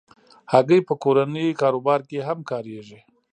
هګۍ په کورني کاروبار کې هم کارېږي.